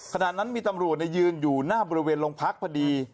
ขณะนั้นมีตำรวจยืนอยู่หน้าบริเวณโรงพักพอดี